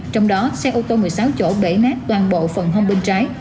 trong đó xe ô tô một mươi sáu chỗ bể nát toàn bộ phần hông bên trái